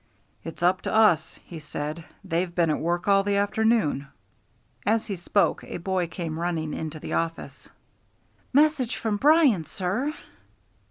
"It's up to us," he said. "They've been at work all the afternoon." As he spoke a boy came running into the office. "Message from Byron, sir."